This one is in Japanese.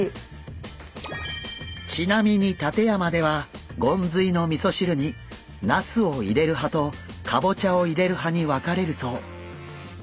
ちなみに館山ではゴンズイのみそ汁になすを入れる派とかぼちゃを入れる派に分かれるそう。